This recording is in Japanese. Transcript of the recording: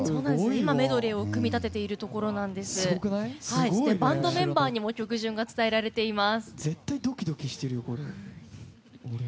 今メドレーを組み立てていてバンドメンバーにも曲順が伝えられています。